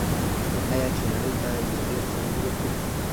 آیا چې نړۍ ته یې ډیر څه نه دي ورکړي؟